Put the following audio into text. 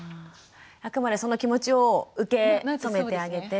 あくまでその気持ちを受け止めてあげて。